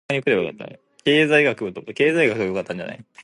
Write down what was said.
I am against any order which interferes with that objective.